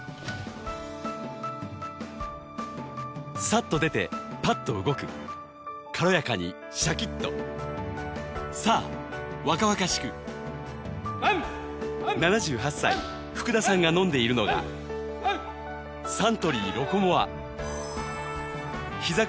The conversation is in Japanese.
さっと出てパッと動く軽やかにシャキッと７８歳福田さんが飲んでいるのがサントリー「ロコモア」ひざ